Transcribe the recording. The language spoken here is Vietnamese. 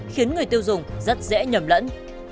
khiến người tiêu dùng rất dễ nhầm lẫn